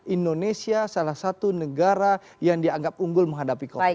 indonesia salah satu negara yang dianggap unggul menghadapi covid sembilan